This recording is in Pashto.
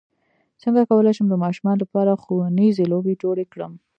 څنګه کولی شم د ماشومانو لپاره ښوونیزې لوبې جوړې کړم